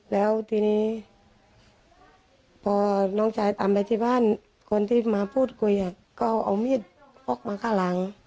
แล้วทีนี้พอน้องชายตามไปที่บ้านคนที่มาพูดคุยก็เอามีดออกมาข้างหลัง